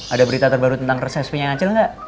ada berita terbaru tentang rsspnya acil enggak